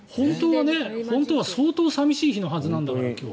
本当は相当寂しい日なはずなんだけど今日。